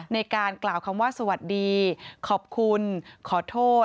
ในการกล่าวคำว่าสวัสดีขอบคุณขอโทษ